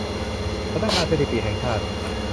สำนักงานสถิติแห่งชาติ